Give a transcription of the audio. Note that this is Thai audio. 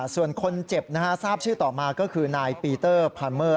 ส่วนคนเจ็บทราบชื่อต่อมาก็คือนายปีเตอร์พาเมอร์